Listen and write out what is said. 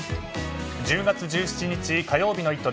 １０月１７日火曜日の「イット！」